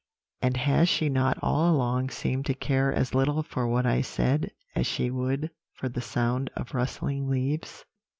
and has she not all along seemed to care as little for what I said as she would for the sound of rustling leaves?'